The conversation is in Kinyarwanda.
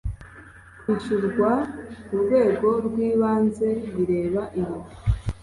kwishyurwa urwego rw ibanze bireba iyo